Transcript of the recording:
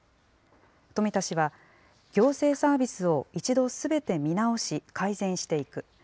富田氏は行政サービスを一度すべて見直し、改善していく。